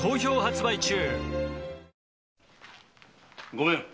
ごめん！